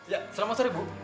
ya selamat sore ibu